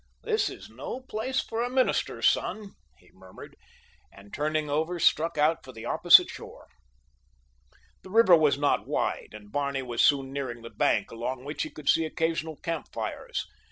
"This is no place for a minister's son," he murmured, and turning over struck out for the opposite shore. The river was not wide, and Barney was soon nearing the bank along which he could see occasional camp fires.